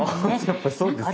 やっぱそうですよね。